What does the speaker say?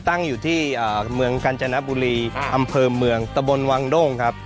ตั้งอยู่ที่เมืองกาญจนบุรีอำเภอเมืองตะบนวังด้งครับ